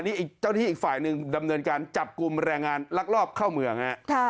นี่อีกเจ้าที่อีกฝ่ายหนึ่งดำเนินการจับกลุ่มแรงงานลักลอบเข้าเมืองฮะ